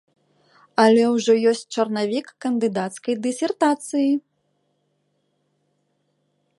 Але ўжо ёсць чарнавік кандыдацкай дысертацыі.